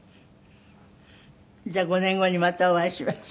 じゃあ５年後にまたお会いしましょう。